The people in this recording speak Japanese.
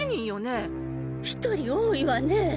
１人多いわね。